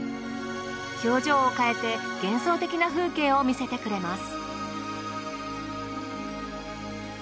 表情を変えて幻想的な風景を見せてくれます。